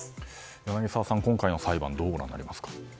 柳澤さん、今回の裁判どうご覧になりますか？